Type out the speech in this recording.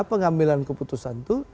pengambilan keputusan itu